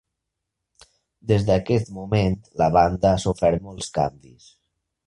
Des d'aquest moment la banda ha sofert molts canvis.